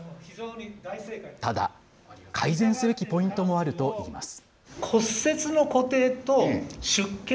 ただ、改善すべきポイントもあるといいます。